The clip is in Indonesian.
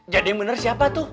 jadi yang bener siapa tuh